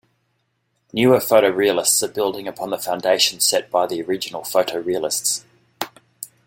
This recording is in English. Newer Photorealists are building upon the foundations set by the original photorealists.